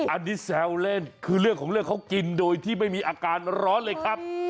อันนี้แซวเล่นคือเรื่องของเรื่องเขากินโดยที่ไม่มีอาการร้อนเลยครับ